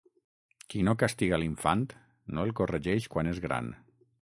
Qui no castiga l'infant no el corregeix quan és gran.